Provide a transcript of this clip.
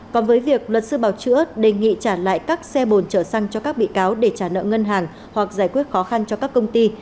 còn với việc luật sư bảo chữa đề nghị trả lại các xe bồn chở xăng cho các bị cáo để trả nợ ngân hàng hoặc giải quyết khó khăn cho các công ty